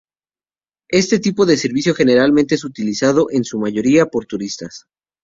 Este tipo de servicio generalmente es utilizado, en su mayoría, por turistas.